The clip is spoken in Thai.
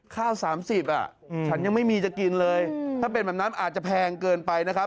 ข้าว๓๐อ่ะฉันยังไม่มีจะกินเลยถ้าเป็นแบบนั้นอาจจะแพงเกินไปนะครับ